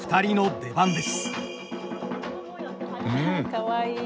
かわいい。